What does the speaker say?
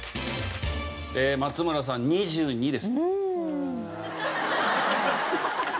松村さん２２です。